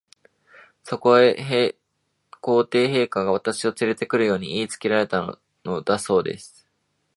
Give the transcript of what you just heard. そこへ、皇帝陛下が、私をつれて来るよう言いつけられたのだそうです。